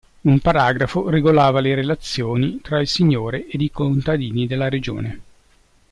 Un paragrafo regolava le relazioni tra il signore ed i contadini della regione.